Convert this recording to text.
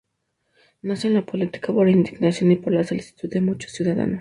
Nace en la política por indignación y por la solicitud de muchos ciudadanos.